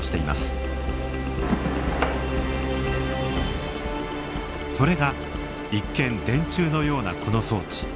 それが一見電柱のようなこの装置。